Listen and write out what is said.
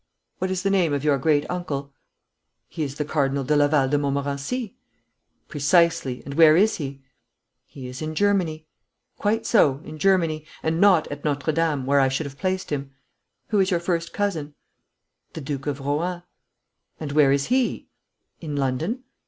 'What is the name of your great uncle?' 'He is the Cardinal de Laval de Montmorency.' 'Precisely. And where is he?' 'He is in Germany.' 'Quite so in Germany, and not at Notre Dame, where I should have placed him. Who is your first cousin?' 'The Duke de Rohan.' 'And where is he?' 'In London.'